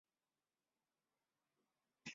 游戏介面似受世纪帝国系列的影响。